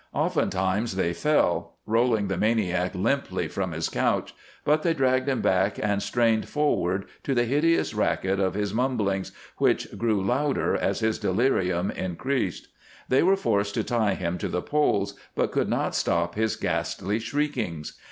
Ofttimes they fell, rolling the maniac limply from his couch, but they dragged him back and strained forward to the hideous racket of his mumblings, which grew louder as his delirium increased. They were forced to tie him to the poles, but could not stop his ghastly shriekings.